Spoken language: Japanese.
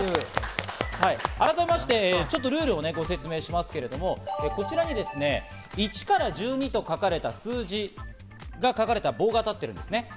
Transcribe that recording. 改めまして、ちょっとルールをご説明しますけれども、こちらに１から１２と書かれた数字が書かれた棒が立っているんですね。